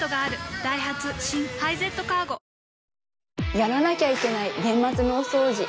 やらなきゃいけない年末の大掃除